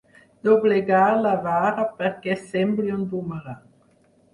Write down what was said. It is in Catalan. Doblegar la vara perquè sembli un bumerang.